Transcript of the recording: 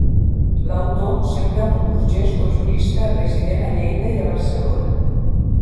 L'autor sembla un burgès o jurista resident a Lleida i a Barcelona.